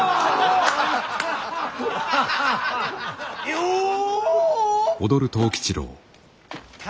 よう！